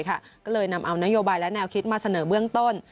ก็เลยนำเอานโยบายและแนวคิดมาเสนอเบื้องต้น